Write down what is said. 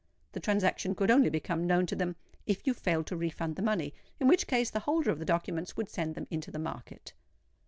The transaction could only become known to them if you failed to refund the money, in which case the holder of the documents would send them into the market."